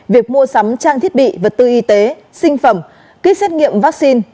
việc mua sắm trang thiết bị vật tư y tế sinh phẩm kýt xét nghiệm vaccine